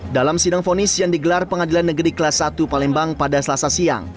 dalam sidang fonis yang digelar pengadilan negeri kelas satu palembang pada selasa siang